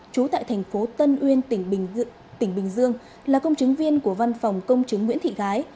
trú tại thành phố tân uyên tỉnh bình dương là công chứng viên của văn phòng công chứng nguyễn thị gái